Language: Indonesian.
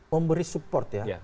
memberi support ya